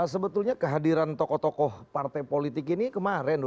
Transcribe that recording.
sebetulnya kehadiran tokoh tokoh partai politik ini kemarin dua ribu delapan belas